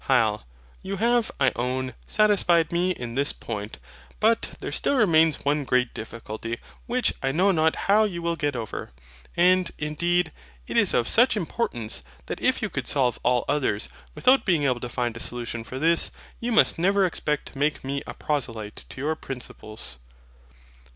HYL. You have, I own, satisfied me in this point. But there still remains one great difficulty, which I know not how you will get over. And, indeed, it is of such importance that if you could solve all others, without being able to find a solution for this, you must never expect to make me a proselyte to your principles.